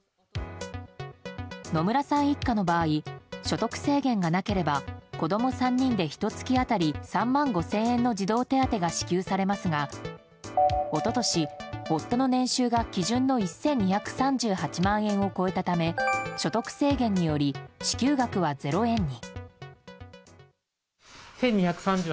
野村さん一家の場合所得制限がなければ子供３人で、ひと月当たり３万５０００円の児童手当が支給されますが一昨年、夫の年収が基準の１２３８万円を超えたため所得制限により支給額は０円に。